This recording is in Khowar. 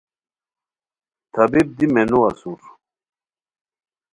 طبیب دی مینو اسور